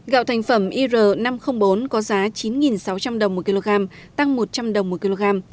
gạo thành phẩm ir năm trăm linh bốn có giá chín sáu trăm linh đồng một kg tăng một trăm linh đồng một kg